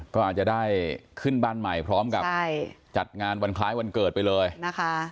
ก็อาจจะได้ขึ้นบ้านใหม่พร้อมกับจัดงานวันคล้ายวันเกิดไปเลยนะคะ